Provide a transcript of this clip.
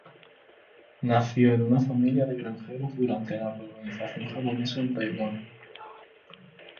Nació de una familia de granjeros durante la colonización japonesa en Taiwán.